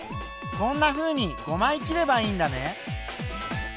こんなふうに５枚切ればいいんだね。